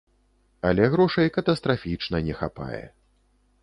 Але грошай катастрафічна не хапае.